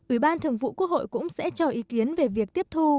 ủy ban thường vụ quốc hội cũng sẽ cho ý kiến về việc tiếp thu